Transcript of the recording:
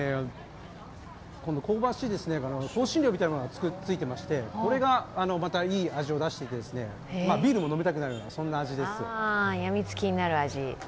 香ばしい香辛料みたいなものがくっついていまして、これがまたいい味を出していてビールも飲みたくなるような味です。